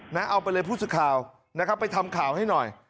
เอาไปเลยผู้สื่อข่าวนะครับไปทำข่าวให้หน่อย